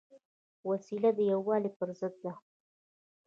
وسله د یووالي پر ضد ده